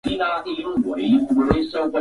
mama mjamzito anaweza kusikia maumivu ya kichwa